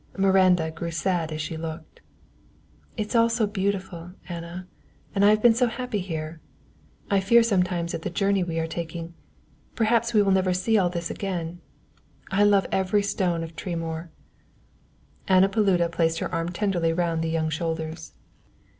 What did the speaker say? Miranda grew sad as she looked. "It is all so beautiful, Anna, and I have been so happy here. I fear sometimes at the journey we are taking perhaps we will never see all this again, and I love every stone of Tremoor." Anna Paluda placed her arm tenderly round the young shoulders.